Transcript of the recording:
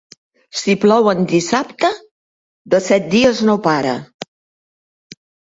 Si plou en dissabte, de set dies no para.